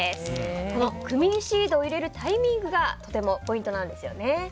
このクミンシードを入れるタイミングがとてもポイントなんですよね。